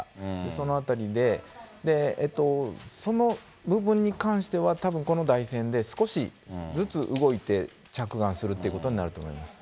その辺りで、その部分に関してはたぶん、この台船で少しずつ動いて着岸するってことになると思います。